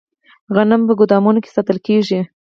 غنم په ګدامونو کې ساتل کیږي.